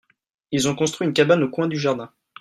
ils ont construit une cabane au coin du jardin.